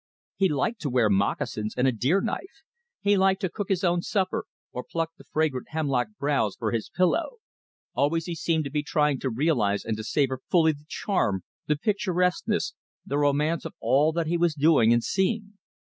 He liked to wear moccasins, and a deer knife; he liked to cook his own supper, or pluck the fragrant hemlock browse for his pillow. Always he seemed to be trying to realize and to savor fully the charm, the picturesqueness, the romance of all that he was doing and seeing.